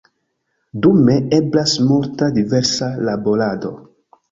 Dume eblas multa diversa laborado.